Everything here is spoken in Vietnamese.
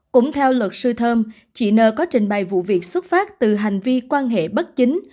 cũng theo luật sư thơm chị nờ có trình bày vụ việc xuất phát từ hành vi quan hệ bất chính